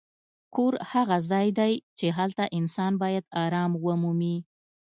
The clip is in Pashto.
کور هغه ځای دی چې هلته انسان باید ارام ومومي.